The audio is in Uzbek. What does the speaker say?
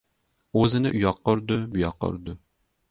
O‘zini uyoqqa urdi, buyoqqa urdi.